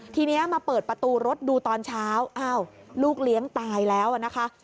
ทีนี้มาเปิดประตูรถดูตอนเช้าอ้าวลูกเลี้ยงตายแล้วนะคะ